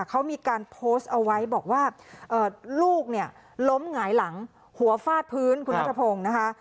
เขามีการโพสต์เอาไว้บอกว่าลูกเนี่ยล้มหงายหลังหัวฟาดพื้นคุณนัทพงศ์นะคะ